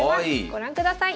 ご覧ください。